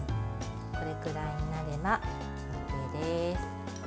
これくらいになればＯＫです。